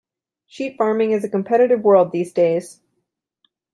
Sheep farming is a competitive world these days.